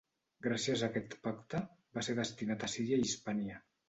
Gràcies a aquest pacte va ser destinat a Síria i Hispània.